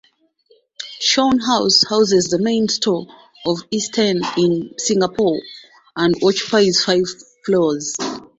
Shaw House houses the main store of Isetan in Singapore, and occupies five floors.